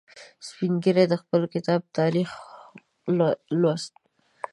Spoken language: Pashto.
سپین ږیری د خپل کتاب تاریخ لوست.